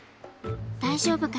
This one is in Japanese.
大丈夫かな？